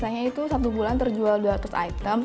biasanya itu satu bulan terjual dua ratus item